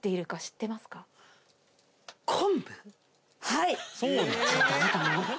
はい！